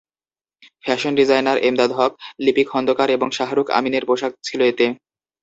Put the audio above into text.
Fashion designer Emdad Haque, Lipi Khondokar এবং শাহরুখ আমিনের পোশাক ছিল এতে।